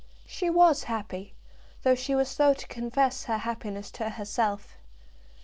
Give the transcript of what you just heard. She was happy, though she was slow to confess her happiness to herself.